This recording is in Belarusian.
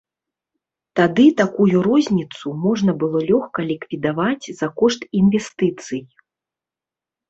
Тады такую розніцу можна было лёгка ліквідаваць за кошт інвестыцый.